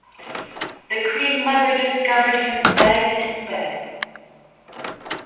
The Queen Mother discovered him dead in bed.